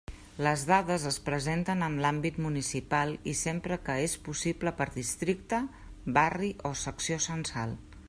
Les dades es presenten en l'àmbit municipal i sempre que és possible per districte, barri o secció censal.